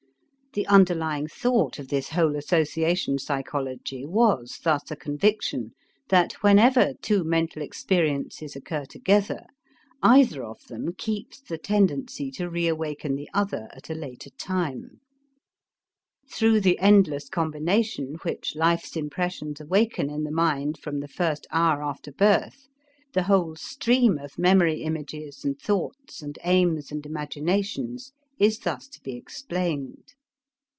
The underlying thought of this whole association psychology was thus a conviction that whenever two mental experiences occur together, either of them keeps the tendency to reawaken the other at a later time. Through the endless combination which life's impressions awaken in the mind from the first hour after birth, the whole stream of memory images and thoughts and aims and imaginations is thus to be explained.